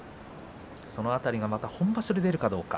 その辺りが本場所に出るかどうか。